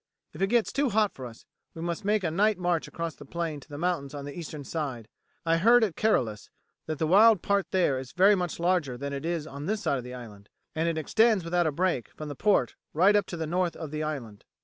If it gets too hot for us we must make a night march across the plain to the mountains on the eastern side. I heard at Caralis that the wild part there is very much larger than it is on this side of the island, and it extends without a break from the port right up to the north of the island."